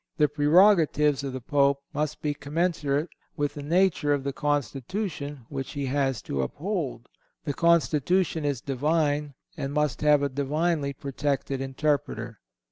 The prerogatives of the Pope must be commensurate with the nature of the constitution which he has to uphold. The constitution is Divine and must have a Divinely protected interpreter.